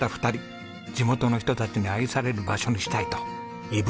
地元の人たちに愛される場所にしたいといぶ